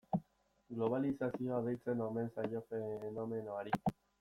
Globalizazioa deitzen omen zaio fenomenoari.